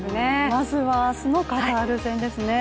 まずは明日のカタール戦ですね。